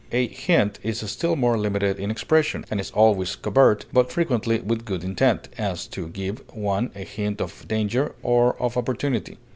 A hint is still more limited in expression, and is always covert, but frequently with good intent; as, to give one a hint of danger or of opportunity.